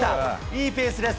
いいペースです。